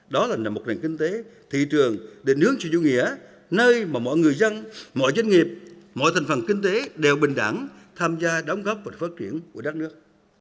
đó là một nền kinh tế thị trường định hướng sự dụ nghĩa nơi mà mọi người dân mọi doanh nghiệp mọi thành phần kinh tế đều bình đẳng tham gia đóng góp và phát triển của đất nước